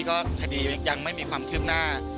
ก็คดียังไม่มีความคืบหน้า